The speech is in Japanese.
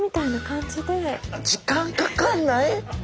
時間かかんない？